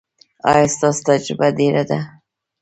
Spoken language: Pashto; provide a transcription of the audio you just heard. ایا ستاسو تجربه ډیره ده؟